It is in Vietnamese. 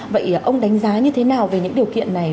vậy ông đánh giá như thế nào về những điều kiện này